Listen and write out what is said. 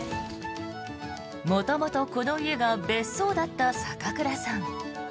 元々、この家が別荘だった坂倉さん。